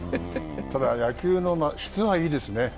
ただ野球の質はいいですね。